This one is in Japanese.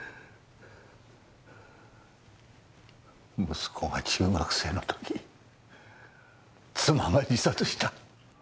息子が中学生の時妻が自殺した。